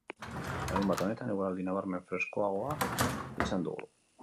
Larunbat honetan, eguraldi nabarmen freskoagoa izan dugu.